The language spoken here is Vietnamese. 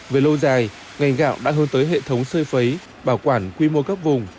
về lâu dài ngành gạo đã hướng tới hệ thống sơi phấy bảo quản quy mô các vùng